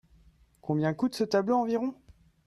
Combien coûte ce tableau environ ?